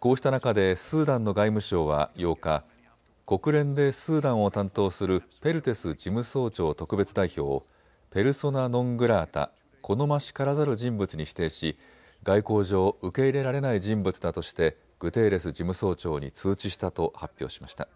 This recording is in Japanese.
こうした中でスーダンの外務省は８日、国連でスーダンを担当するペルテス事務総長特別代表をペルソナ・ノン・グラータ・好ましからざる人物に指定し外交上、受け入れられない人物だとしてグテーレス事務総長に通知したと発表しました。